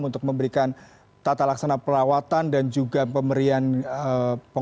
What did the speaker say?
untuk memberikan tata laksana perlawatan dan juga pemberian pengobatan ya